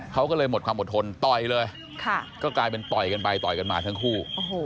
เขาก็เลยหมดความอดทนต่อยเลยก็กลายเป็นต่อยกันไปต่อยกันมาทั้งคู่